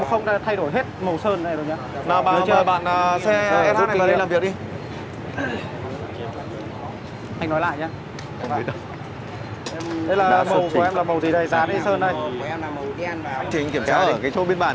không được phạt được anh